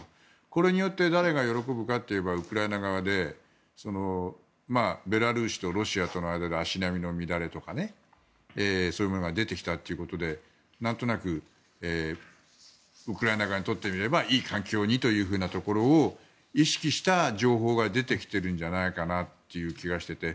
これによって誰が喜ぶかといえばウクライナ側でベラルーシとロシアとの間で足並みの乱れとかねそういうものが出てきたということでなんとなくウクライナ側にとってみればいい環境にというところを意識した情報が出てきているんじゃないかという気がしていて。